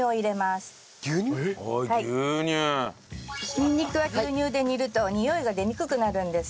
にんにくは牛乳で煮るとにおいが出にくくなるんです。